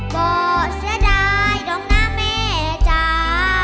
บอกเสียดายดองน้าแม่จ้า